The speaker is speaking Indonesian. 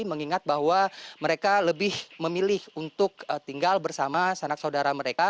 mengingat bahwa mereka lebih memilih untuk tinggal bersama sanak saudara mereka